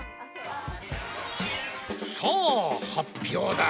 さあ発表だ。